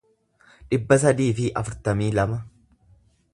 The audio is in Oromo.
dhibba sadii fi afurtamii lama